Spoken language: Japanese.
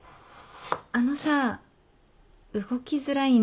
あのさ動きづらいんだけど。